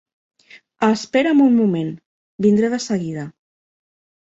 Espera'm un moment: vindré de seguida.